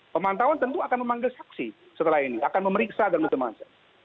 pemantauan tentu akan memanggil saksi setelah ini akan memeriksa dan macam macam